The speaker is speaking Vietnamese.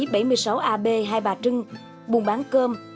cô ab hai bà trưng buôn bán cơm